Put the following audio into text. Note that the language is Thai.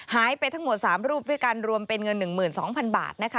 หายไปทั้งหมด๓รูปเพื่อการรวมเป็นเงิน๑๒๐๐๐บาท